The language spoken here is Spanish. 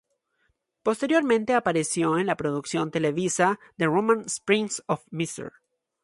Posteriormente apareció en la producción televisiva "The Roman Spring of Mrs.